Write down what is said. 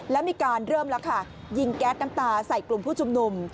แล้วมีการเริ่มแล้วค่ะยิงแก๊สน้ำตาใส่กลุ่มผู้ชุมนุม